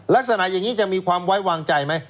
ลักษณะอย่างนี้จะมีความไว้วางใจไหม